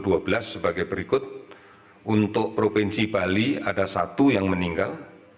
dan sebagai berikut untuk provinsi bali ada satu yang meninggal